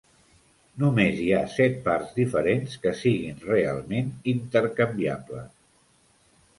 Només hi ha set parts diferents que siguin realment intercanviables.